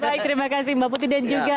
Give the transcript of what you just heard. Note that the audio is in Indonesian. baik terima kasih mbak putri dan juga agus hipo